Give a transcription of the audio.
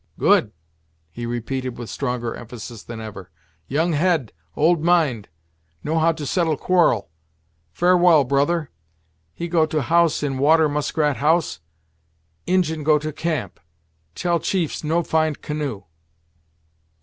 "Good!" he repeated, with stronger emphasis than ever. "Young head, old mind. Know how to settle quarrel. Farewell, brother. He go to house in water muskrat house Injin go to camp; tell chiefs no find canoe."